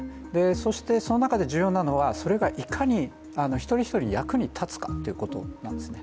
そしてその中で重要なのはそれがいかに１人１人役に立つかということなんですね。